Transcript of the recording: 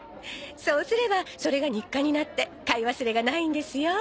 そうすればそれが日課になって買い忘れがないんですよ。